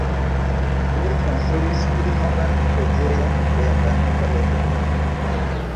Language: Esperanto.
Ili konstruis pli novan preĝejon en la nova loko.